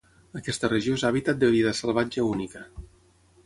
Aquesta regió és hàbitat de vida salvatge única.